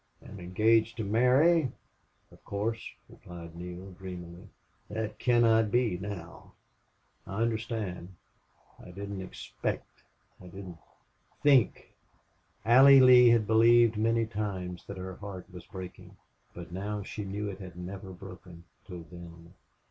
"And engaged to marry?" "Of course," replied Neale, dreamily. "That cannot be now." "I understand. I didn't expect I didn't think...." Allie Lee had believed many times that her heart was breaking, but now she knew it had never broken till then.